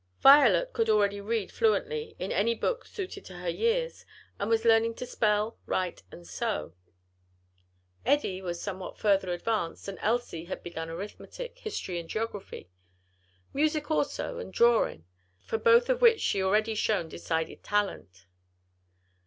Violet could already read fluently, in any book suited to her years, and was learning to spell, write and sew. Eddie was somewhat further advanced, and Elsie had begun arithmetic, history and geography; music, also, and drawing; for both of which she already shown decided talent.